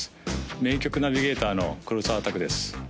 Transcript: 名曲ナビゲーターの黒澤拓です